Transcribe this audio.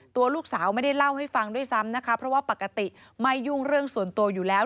ตัวลูกสาวไม่ได้เล่าให้ฟังด้วยซ้ำนะคะเพราะว่าปกติไม่ยุ่งเรื่องส่วนตัวอยู่แล้ว